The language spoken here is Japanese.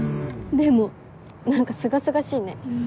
でも何かすがすがしいね。